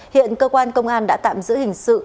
hiện cơ quan công an đã tạm giữ hình sự